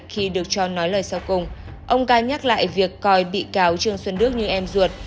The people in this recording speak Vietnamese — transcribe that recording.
khi được cho nói lời sau cùng ông ca nhắc lại việc coi bị cáo trương xuân đức như em ruột